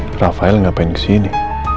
pak rafael ngapain kesini